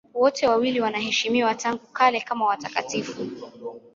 Wote wawili wanaheshimiwa tangu kale kama watakatifu.